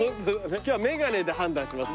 今日は眼鏡で判断します。